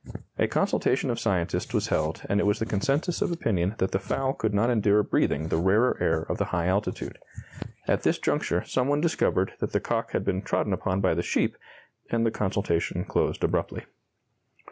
A consultation of scientists was held and it was the consensus of opinion that the fowl could not endure breathing the rarer air of the high altitude. At this juncture some one discovered that the cock had been trodden upon by the sheep, and the consultation closed abruptly.